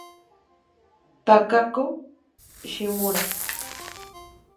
Takako Shimura